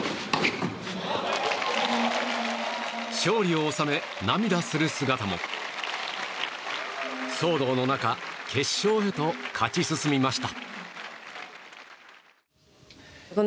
勝利を収め、涙する姿も騒動の中決勝へと勝ち進みました。